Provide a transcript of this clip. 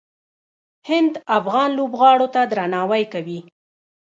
هند افغان لوبغاړو ته درناوی کوي.